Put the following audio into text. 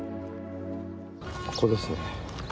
ここですね。